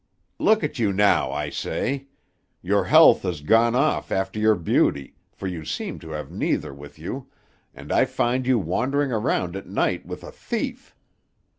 "Look at you now, I say! Your health has gone off after your beauty, for you seem to have neither with you, and I find you wandering around at night with a Thief.